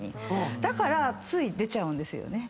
だからつい出ちゃうんですよね。